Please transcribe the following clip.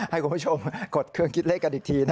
ให้คุณผู้ชมกดเครื่องคิดเลขกันอีกที